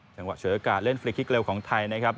จังหวะฉวยโอกาสเล่นฟรีคลิกเร็วของไทยนะครับ